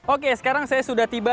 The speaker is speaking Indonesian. oke sekarang saya sudah tiba